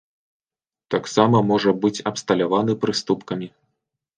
Таксама можа быць абсталяваны прыступкамі.